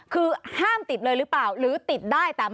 คือห้ามติดเลยหรือเปล่าหรือติดได้